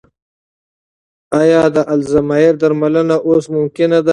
ایا د الزایمر درملنه اوس ممکنه ده؟